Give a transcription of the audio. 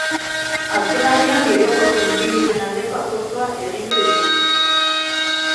Azkenaldian bideojoko infinituen aldeko apustua egin du industriak.